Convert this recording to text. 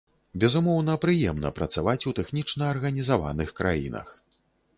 Безумоўна, прыемна працаваць у тэхнічна арганізаваных краінах.